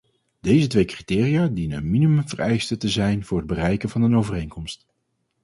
Deze twee criteria dienen een minimumvereiste te zijn voor het bereiken van een overeenkomst.